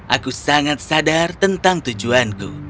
aku sangat sadar tentang tujuanku